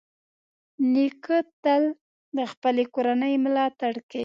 نیکه تل د خپلې کورنۍ ملاتړ کوي.